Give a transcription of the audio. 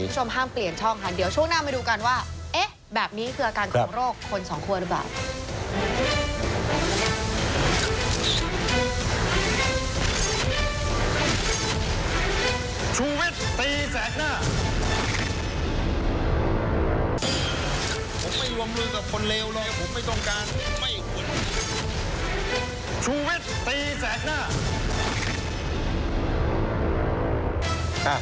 คุณผู้ชมห้ามเปลี่ยนช่องค่ะเดี๋ยวช่วงหน้ามาดูกันว่าเอ๊ะแบบนี้คืออาการของโรคคนสองคนหรือเปล่า